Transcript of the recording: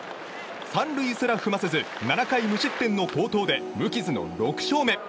３塁すら踏ませず７回無失点の好投で無傷の６勝目。